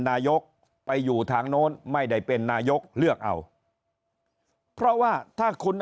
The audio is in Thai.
นายกไปอยู่ทางโน้นไม่ได้เป็นนายกเลือกเอาเพราะว่าถ้าคุณ